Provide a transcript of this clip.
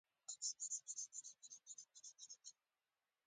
کار نیمګړی پاته شو.